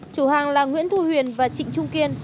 chủ hàng là nguyễn thu huyền và trịnh trung kiên